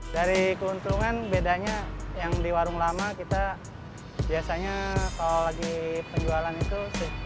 dari keuntungan bedanya yang di warung lama kita biasanya kalau lagi penjualan itu satu juta setengah per hari